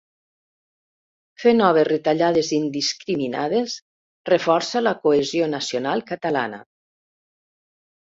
Fer noves retallades indiscriminades reforça la cohesió nacional catalana.